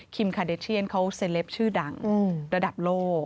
คาเดเชียนเขาเซลปชื่อดังระดับโลก